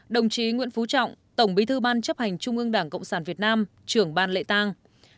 một đồng chí nguyễn phú trọng tổng bí thư ban chấp hành trung ương đảng cộng sản việt nam trưởng ban lệ tăng